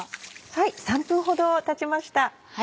３分ほどたちました。